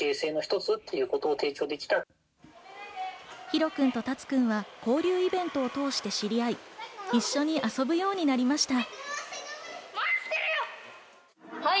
ヒロくんとタツくんは、交流イベント通して知り合い、一緒に遊ぶようになりました。